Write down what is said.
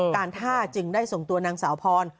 การท่าจึงได้ส่งตัวนางสาวพร